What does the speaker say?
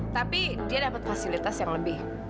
tapi dia dapat fasilitas yang lebih